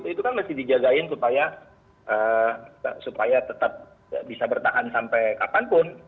itu kan mesti dijagain supaya tetap bisa bertahan sampai kapanpun